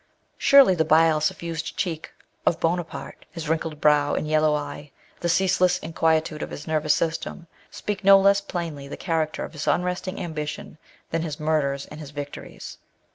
Surely the bile suffused cheek of Buona parte, his wrinkled brow, and yellow eye, the ceaseless inquietude of his nervous system, speak no less plainly the character of his unresting ambition than his murders and his victories.